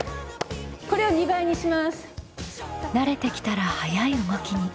これを慣れてきたら速い動きに。